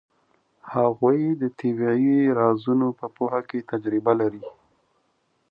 هغوی د طبیعي رازونو په پوهه کې تجربه لرله.